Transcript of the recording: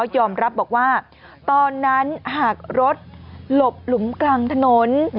ยอมรับบอกว่าตอนนั้นหากรถหลบหลุมกลางถนน